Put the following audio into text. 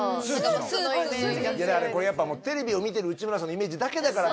これやっぱテレビを見てる内村さんのイメージだけだからね。